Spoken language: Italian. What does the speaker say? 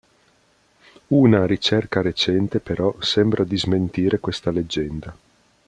Una ricerca recente però sembra di smentire questa leggenda.